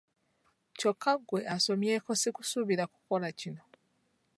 Kyokka ggwe asomyeko ate si kusuubira kukola kino.